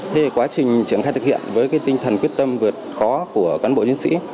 thế thì quá trình triển khai thực hiện với cái tinh thần quyết tâm vượt khó của cán bộ nhân sĩ